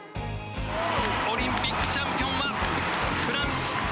オリンピックチャンピオンはフランス。